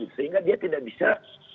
sehingga dia tidak bisa